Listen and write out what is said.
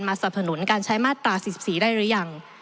สนับสนุนการใช้มาตรา๔๔ได้หรือยัง